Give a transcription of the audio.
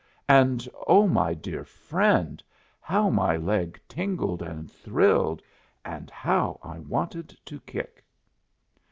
And, O my dear friend, how my leg tingled and thrilled, and how I wanted to kick!